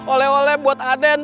oleh oleh buat aden